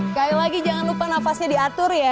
sekali lagi jangan lupa nafasnya diatur ya